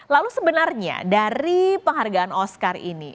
lalu sebenarnya dari penghargaan oscar ini